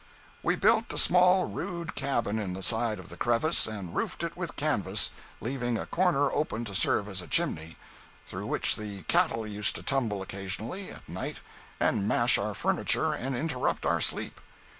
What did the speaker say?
We built a small, rude cabin in the side of the crevice and roofed it with canvas, leaving a corner open to serve as a chimney, through which the cattle used to tumble occasionally, at night, and mash our furniture and interrupt our sleep.